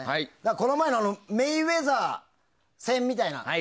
この前のメイウェザー戦みたいな。